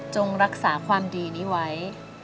ใช้